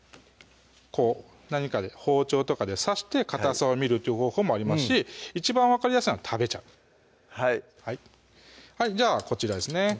こう何かで包丁とかで刺してかたさを見るという方法もありますし一番分かりやすいのは食べちゃうはいじゃあこちらですね